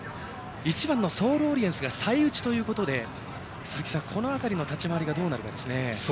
１番のソールオリエンスが最内ということで鈴木さん、この辺りの立ち回りが、どうなるかですね。